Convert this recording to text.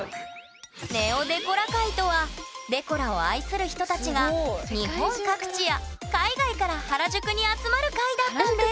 ＮＥＯデコラ会とはデコラを愛する人たちが日本各地や海外から原宿に集まる会だったんです